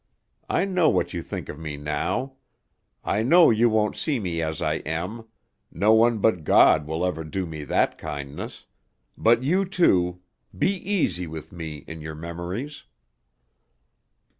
I know what you think of me now. I know you won't see me as I am no one but God will ever do me that kindness; but you two be easy with me in your memories."